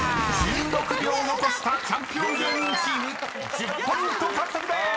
［１６秒残したチャンピオン芸人チーム１０ポイント獲得でーす！］